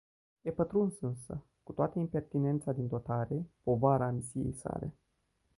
E pătruns însă, cu toată impertinența din dotare, povara misiei sale.